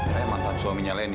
saya mantan suaminya lenny